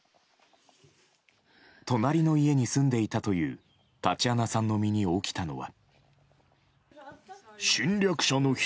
隣の家に住んでいたというタチアナさんの身に起きたのは。